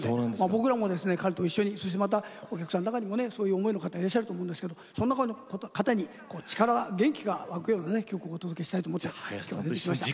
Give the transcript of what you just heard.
僕らも彼と一緒にそしてまたお客さんの中にもねそういう思いの方いらっしゃると思うんですけどそんな方に力が元気が湧くような曲をお届けしたいと思って今日は出てきました。